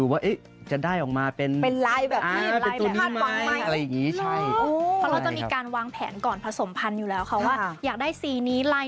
กว่าจะได้เป็นตัวชัยร้ายพี่ต้อม